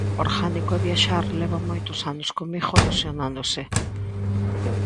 Orgánico é viaxar leva moitos anos comigo erosionándose.